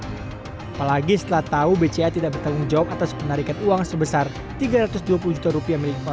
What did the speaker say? apalagi setelah tahu bca tidak bertanggung jawab atas penarikan uang sebesar tiga ratus dua puluh juta rupiah